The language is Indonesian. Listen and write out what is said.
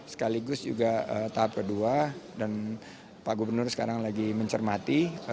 sekaligus juga tahap kedua dan pak gubernur sekarang lagi mencermati